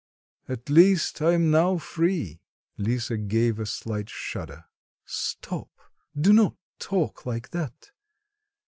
At least, I am now free." Lisa gave a slight shudder. "Stop, do not talk like that.